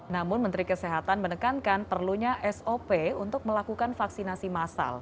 namun menteri kesehatan menekankan perlunya sop untuk melakukan vaksinasi massal